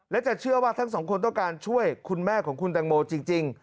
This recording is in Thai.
และจะเชื่อว่าทั้งสองคนต้องการช่วยคุณแม่ของคุณแตงโมจริง